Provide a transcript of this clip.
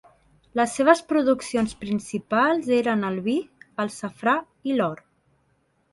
Les seves produccions principals eren el vi, el safrà i l'or.